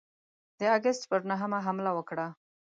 د آګسټ پر نهمه حمله وکړه.